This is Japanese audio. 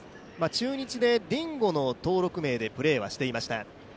中日でディンゴの登録名でプレーしてました。